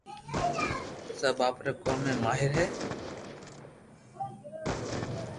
سب آپري ڪوم ماھر ھتو